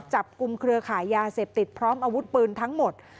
จับกลุ่มเครือขายยาเสพติดพร้อมอาวุธปืนทั้งหมด